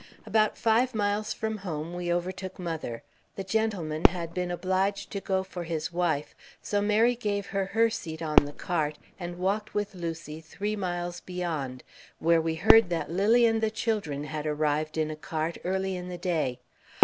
About five miles from home, we overtook mother. The gentleman had been obliged to go for his wife, so Mary gave her her seat on the cart, and walked with Lucy three miles beyond, where we heard that Lilly and the children had arrived in a cart, early in the day.